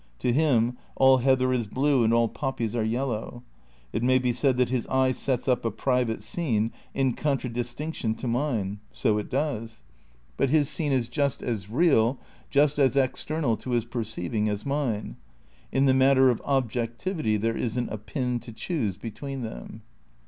To him all heather is blue and all poppies are yellow. It may be said that his eye sets up a private scene in contradistinction to mine. So it does. But 20 THE NEW IDEALISM n his scene is just as real, just as external to his per ceiving as mine ; in the matter of objectivity there isn't a pin to choose between them.